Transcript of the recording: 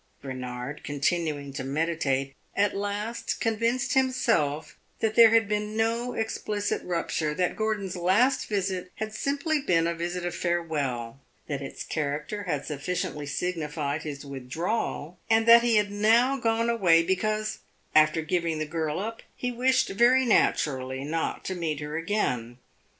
Bernard, continuing to meditate, at last convinced himself that there had been no explicit rupture, that Gordon's last visit had simply been a visit of farewell, that its character had sufficiently signified his withdrawal, and that he had now gone away because, after giving the girl up, he wished very naturally not to meet her again.